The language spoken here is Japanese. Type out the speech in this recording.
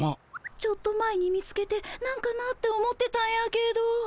ちょっと前に見つけてなんかなって思ってたんやけど。